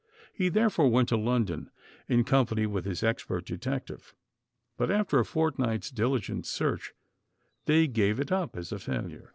He therefore went to London in company with his expei't detective ; but, after a fortnight's diligent search, they gave it up as a failure.